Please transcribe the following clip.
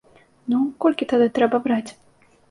Ну, колькі тады трэба браць?